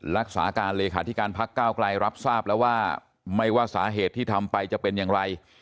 รักษาการเลขาธิการพักก้าวไกลรับทราบแล้วว่าไม่ว่าสาเหตุที่ทำไปจะเป็นอย่างไร